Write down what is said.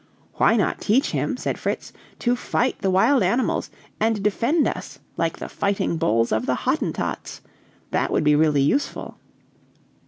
"Why not teach him," said Fritz, "to fight the wild animals, and defend us, like the fighting bulls of the Hottentots? That would be really useful!"